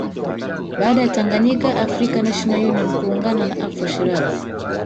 Baada ya Tanganyika Afrika National Union kuungana na Afro shiraz